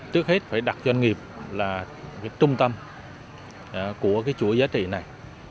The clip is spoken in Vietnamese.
trước hết phải đặt doanh nghiệp là trung tâm của cái chuỗi giá trị này